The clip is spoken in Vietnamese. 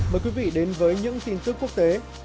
mời quý vị đến với những tin tức quốc tế